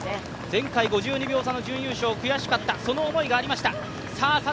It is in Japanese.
前回５２秒差の準優勝、悔しかった、その思いがありました。